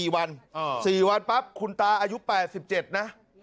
๔วัน๔วันปั๊บคุณตาอายุ๘๗นะ